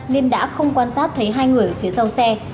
nên đã không quan sát thấy hai người ở phía sau xe